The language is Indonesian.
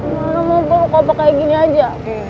mana mau peluk opa kayak gini aja